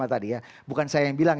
yang terakhir adalah kisah yang terakhir